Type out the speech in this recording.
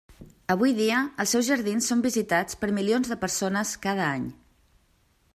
Avui dia els seus jardins són visitats per milions de persones cada any.